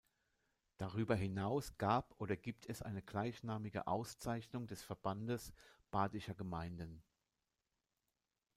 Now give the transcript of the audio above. Darüber hinaus gab oder gibt es eine gleichnamige Auszeichnung des Verbandes badischer Gemeinden.